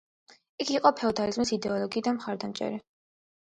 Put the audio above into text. იგი იყო ფეოდალიზმის იდეოლოგი და მხარდამჭერი.